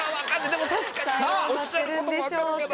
でも確かにおっしゃることも分かるけど。